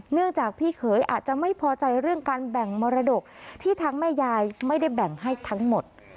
จากพี่เขยอาจจะไม่พอใจเรื่องการแบ่งมรดกที่ทั้งแม่ยายไม่ได้แบ่งให้ทั้งหมด